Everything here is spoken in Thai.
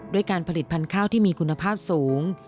ด้วยการผลิตพันธุ์ข้าวที่มีคุณภาพสูง